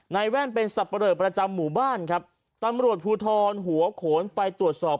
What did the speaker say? แว่นเป็นสับปะเลอประจำหมู่บ้านครับตำรวจภูทรหัวโขนไปตรวจสอบ